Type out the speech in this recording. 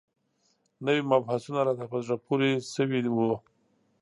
نوي مبحثونه راته په زړه پورې شوي وو.